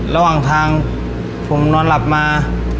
ระหว่างทางผมนอนหลับมา